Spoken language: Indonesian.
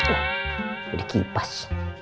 oh udah kipas